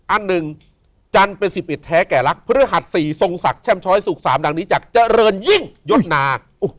อันหนึ่งจันทร์เป็น๑๑แท้แก่รักพฤหัส๔ทรงศักดิ์แช่มช้อยสุข๓ดังนี้จากเจริญยิ่งยศนา